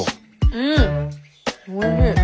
うんおいしい。